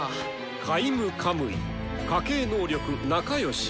カイム・カムイ家系能力「翻訳」。